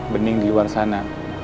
bening di luar sana